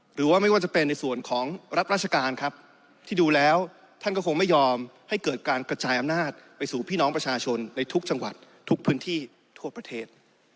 หรือว่าไม่ว่าจะเป็นในส่วนของรับราชการครับที่ดูแล้วท่านก็คงไม่ยอมให้เกิดการกระจายอำนาจไปสู่พี่น้องประชาชนในทุกจังหวัดทุกพื้นที่ทั่วประเทศ